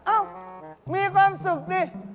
อ้าวมีความสุขนี่